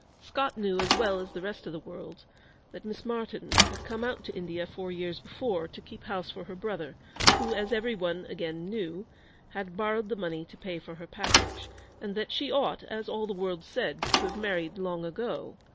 Scott knew, too, as well as the rest of the world, that Miss Martyn had come out to India four years before, to keep house for her brother, who, as everyone, again, knew, had borrowed the money to pay for her passage, and that she ought, as all the world said, to have married long ago.